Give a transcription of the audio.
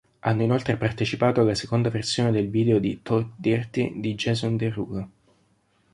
Hanno inoltre partecipato alla seconda versione del video di "Talk Dirty" di Jason Derulo.